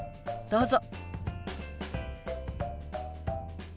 どうぞ。